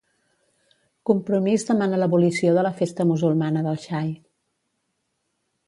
Compromís demana l'abolició de la Festa musulmana del Xai